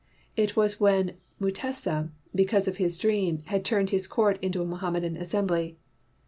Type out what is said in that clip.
It was when Mu tesa, because of his dream, had turned his court into a Mohammedan assembly.